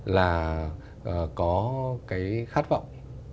là có cái khát vọng